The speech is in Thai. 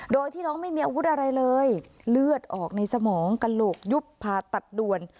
โดยที่น้องไม่มีอาวุธอะไรเลยเลือดออกในสมองกระโหลกยุบผ่าตัดด่วน